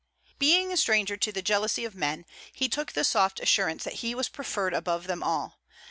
Being a stranger to the jealousy of men, he took the soft assurance that he was preferred above them all.